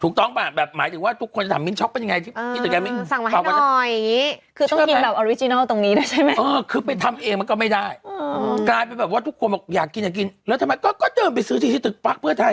กลายแบบว่าทุกคนก็จะแบบอยากกินก็คิดกินแล้วทำไมก็เดินไปซื้อที่ตึกปั๊กเพื่อไทย